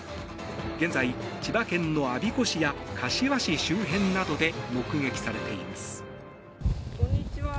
現在、千葉県の我孫子市や柏市周辺などで目撃されています。